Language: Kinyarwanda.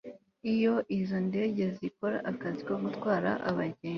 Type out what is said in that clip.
iyo izo ndege zikora akazi ko gutwara abagenzi